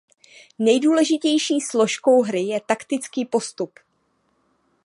Nejdůležitější složkou hry je taktický postup.